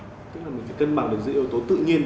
tức là một cái cân bằng được dưới yếu tố tự nhiên